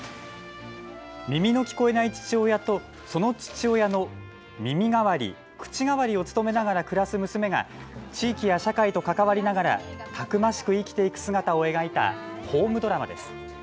耳の聞こえない父親とその父親の耳代わり口代わりを務めながら暮らす娘が地域や社会と関わりながらたくましく生きていく姿を描いたホームドラマです。